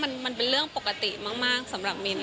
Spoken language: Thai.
มันเป็นเรื่องปกติมากสำหรับมิน